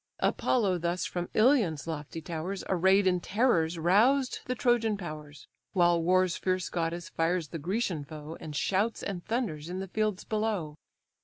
Apollo thus from Ilion's lofty towers, Array'd in terrors, roused the Trojan powers: While war's fierce goddess fires the Grecian foe, And shouts and thunders in the fields below.